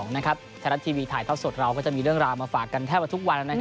ไทยรัฐทีวีถ่ายทอดสดเราก็จะมีเรื่องราวมาฝากกันแทบว่าทุกวัน